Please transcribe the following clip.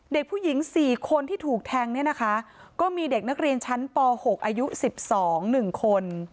เด็กผู้หญิง๔คนที่ถูกแทงเนี่ยนะคะก็มีเด็กนักเรียนชั้นป๖อายุ๑๒๑คน